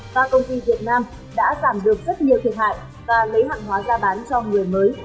và công ty việt nam đã giảm được rất nhiều thiệt hại và lấy hàng hóa ra bán cho người mới